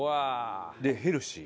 でヘルシー。